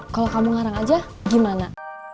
kalau kamu ngarang aja gimana